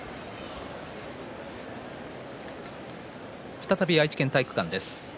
再び愛知県体育館です。